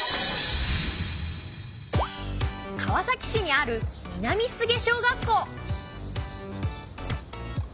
川崎市にある南菅小学校。